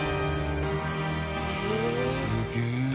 すげえ。